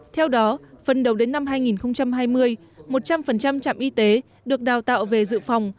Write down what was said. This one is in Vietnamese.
theo đó phần đầu đến năm hai nghìn hai mươi một trăm linh trạm y tế được đào tạo về dự phòng